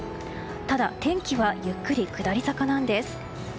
ただ、天気はゆっくり下り坂なんです。